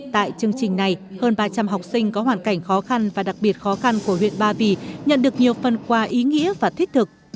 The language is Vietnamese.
tại chương trình này hơn ba trăm linh học sinh có hoàn cảnh khó khăn và đặc biệt khó khăn của huyện ba vì nhận được nhiều phần quà ý nghĩa và thích thực